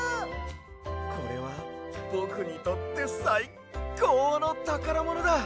これはぼくにとってさいこうのたからものだ。